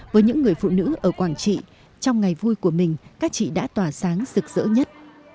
với những người phụ nữ ở quảng trị trong ngày vui của mình các chị đã tỏa sáng rực rỡ nhất